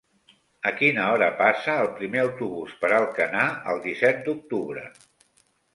A quina hora passa el primer autobús per Alcanar el disset d'octubre?